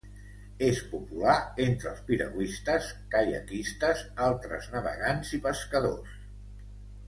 És popular entre els piragüistes, caiaquistes, altres navegants i pescadors.